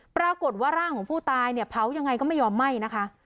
ปรากฏว่าร่างของผู้ตายเนี่ยเผายังไงก็ไม่ยอมไหม้นะคะ